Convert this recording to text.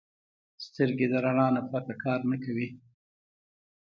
سترګې د رڼا نه پرته کار نه کوي